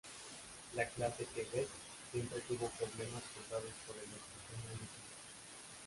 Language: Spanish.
La clase "Quebec" siempre tuvo problemas causados por el oxígeno líquido.